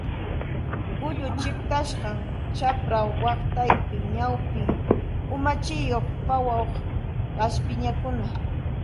Kullu chiqtasqa, chapra waqtaypi ñawchi umachayuq pawaq kaspichakuna